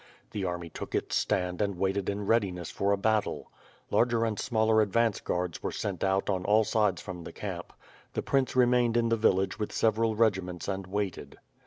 The army took its stand and waited in readiness for a battle. Larger and smaller advance guards was sent out on aJl sides from the camp. The prince remained in the village with several regiments and waited.